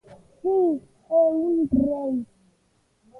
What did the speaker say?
Si, é un rei.